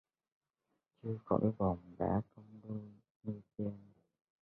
Chưa khỏi vòng đã cong đuôi: như trên